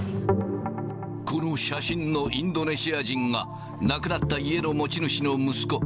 この写真のインドネシア人が、亡くなった家の持ち主の息子。